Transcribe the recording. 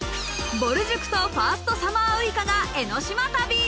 ぼる塾とファーストサマーウイカが江の島旅。